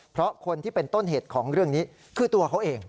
เพราะคนที่เป็นต้นเหตุของเรื่องนี้คือตัวเขาเอง